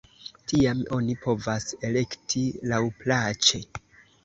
Tiam oni povas elekti laŭplaĉe.